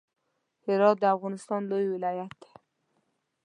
هرات د افغانستان لوی ولایت دی.